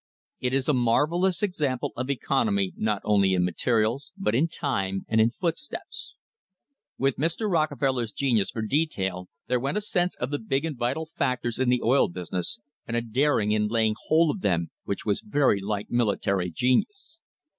It is a marvellous example of economy not only in materials, but in time and in footsteps. With Mr. Rockefeller's genius for detail, there went a sense of the big and vital factors in the oil business, and a daring in laying hold of them which was very like military genius.